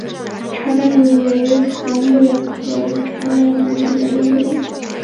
茶竿竹为禾本科茶秆竹属下的一个种。